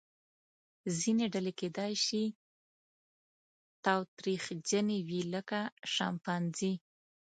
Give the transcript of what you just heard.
ځینې ډلې کیدای شي تاوتریخجنې وي لکه شامپانزې.